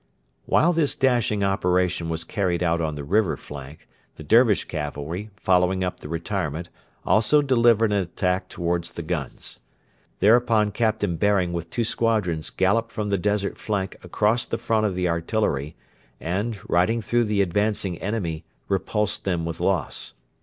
While this dashing operation was carried out on the river flank the Dervish cavalry, following up the retirement, also delivered an attack towards the guns. Thereupon Captain Baring with two squadrons galloped from the desert flank across the front of the artillery, and, riding through the advancing enemy, repulsed them with loss.